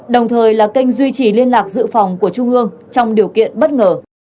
đồng thời là kênh duy trì liên lạc dự phòng của trung ương trong điều kiện bất ngờ